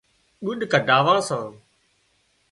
ڳُڏ ڪڍاوان سان